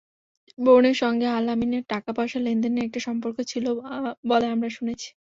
বরুণের সঙ্গে আল-আমিনের টাকাপয়সা লেনদেনের একটি সম্পর্ক ছিল বলে আমরা শুনেছি।